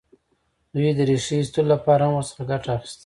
دوی د ریښې ایستلو لپاره هم ورڅخه ګټه اخیسته.